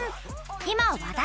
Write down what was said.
今話題！